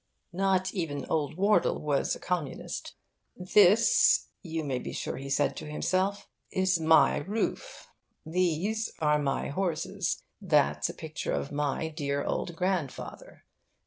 Not even Old Wardle was a communist. 'This,' you may be sure he said to himself, 'is my roof, these are my horses, that's a picture of my dear old grandfather.